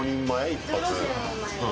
一発。